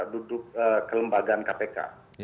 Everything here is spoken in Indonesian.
duduk kelembagaan kpk